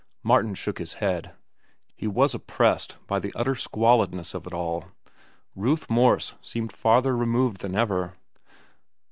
Martin shook his head. He was oppressed by the utter squalidness of it all. Ruth Morse seemed farther removed than ever.